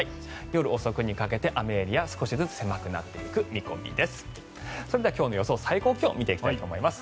夜遅くにかけて雨エリアが少しずつ狭くなる予報です。